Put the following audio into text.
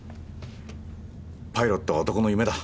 パイロットは男の夢だ。